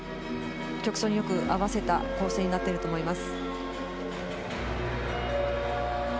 曲調によく合わせた構成になっていると思います。